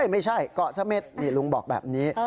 ไม่ใช่เกาะเสม็ดนี่ลุงบอกแบบนี้